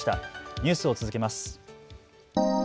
ニュースを続けます。